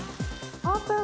オープン！